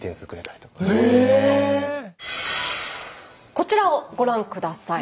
こちらをご覧下さい。